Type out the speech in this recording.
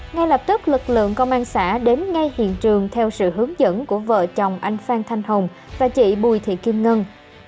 ngay lập tức lực lượng công an xã đến ngay hiện trường theo sự hướng dẫn của vợ chồng anh phan thanh hồng và chị bùi thị kim ngân